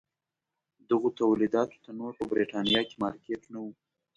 دغو تولیداتو ته نور په برېټانیا کې مارکېټ نه و.